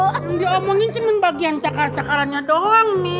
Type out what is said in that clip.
yang diomongin cuma bagian cakar cakarannya doang nih